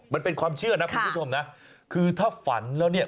มันเป็นความเชื่อนะคุณผู้ชมนะคือถ้าฝันแล้วเนี่ย